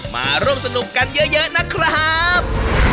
มาร่วมสนุกกันเยอะนะครับ